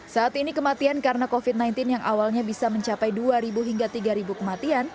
saat ini kematian karena covid sembilan belas yang awalnya bisa mencapai dua hingga tiga kematian